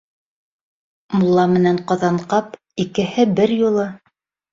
Мулла менән Ҡаҙанҡап икеһе бер юлы: